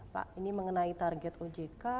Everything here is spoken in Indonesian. pak ini mengenai target ojk